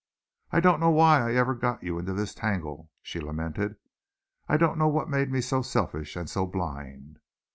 "I don't know why I ever got you into this tangle," she lamented, "I don't know what made me so selfish and so blind."